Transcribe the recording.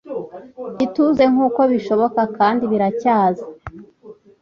ituze nkuko bishoboka kandi biracyaza